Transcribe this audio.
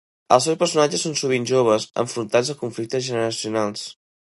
Els seus personatges són sovint joves enfrontats a conflictes generacionals.